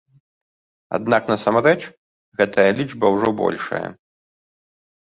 Аднак насамрэч, гэтая лічба ўжо большая.